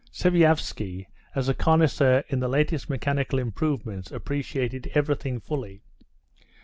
Sviazhsky, as a connoisseur in the latest mechanical improvements, appreciated everything fully.